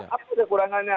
apa sudah kurangannya